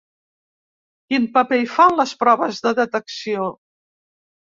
Quin paper hi fan, les proves de detecció?